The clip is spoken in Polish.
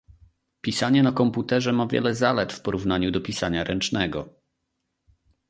Pisanie na komputerze ma wiele zalet w porównaniu do pisania ręcznego.